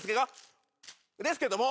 ですけども。